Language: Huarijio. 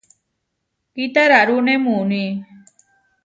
Kitararúne muuní.